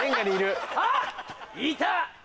いた！